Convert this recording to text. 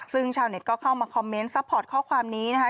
ซึ่งชาวเน็ตก็เข้ามาคอมเมนต์ซัพพอร์ตข้อความนี้นะคะ